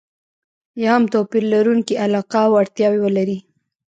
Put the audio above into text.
یا هم توپير لرونکې علاقه او اړتياوې ولري.